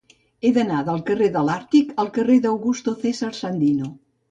He d'anar del carrer de l'Àrtic al carrer d'Augusto César Sandino.